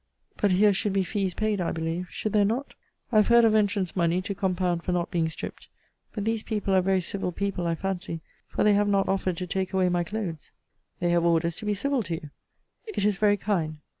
But here should be fees paid, I believe. Should there not? I have heard of entrance money to compound for not being stript. But these people are very civil people, I fancy; for they have not offered to take away my clothes. They have orders to be civil to you. It is very kind.